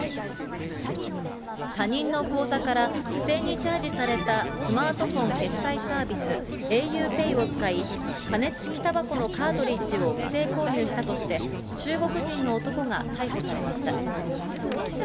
他人の口座から不正にチャージされたスマートフォン決済サービス、ａｕＰＡＹを使い、加熱式たばこのカートリッジを不正購入したとして、中国人の男が逮捕されました。